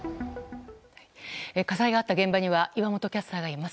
火災があった現場には岩本キャスターがいます。